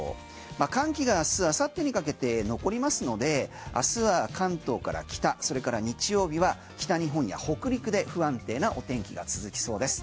寒気が明日、明後日にかけて残りますので明日は関東から北それから、日曜日は北日本や北陸で不安定なお天気が続きそうです。